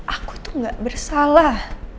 aku itu gak bersalah